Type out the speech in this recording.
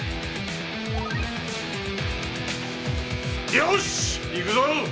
よし行くぞ！